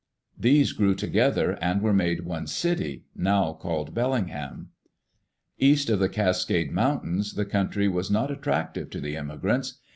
These grew together and were made one city, now called Bellingham. East of the Cascade mountains, the country was not attractive to the immigrants.